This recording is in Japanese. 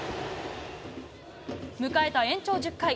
迎えた延長１０回。